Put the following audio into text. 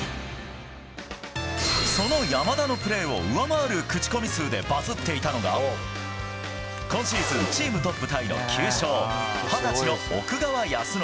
その山田のプレーを上回る口コミ数でバズっていたのが今シーズンチームトップタイの９勝二十歳の奥川恭伸。